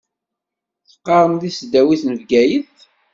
Teqqaṛem di tesdawit n Bgayet.